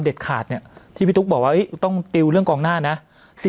เด็ดขาดเนี้ยที่พี่ตุ๊กบอกว่าเฮ้ยต้องเรื่องกองหน้านะสิ่ง